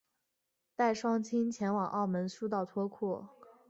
带双亲前往澳门输到脱裤